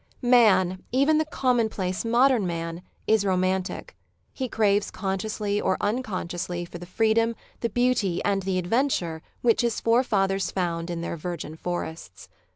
MAN, even the commonplace modern man, is romantic. He craves consciously or uncon sciously for the freedom, the beauty, and the adventure which hjs forefathers found in their virgin forests.